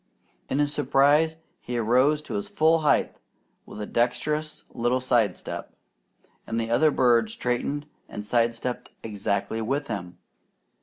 In his surprise he arose to his full height with a dexterous little side step, and the other bird straightened and side stepped exactly with him.